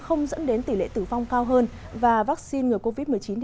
không dẫn đến tỷ lệ tử vong cao hơn và vaccine ngừa covid một mươi chín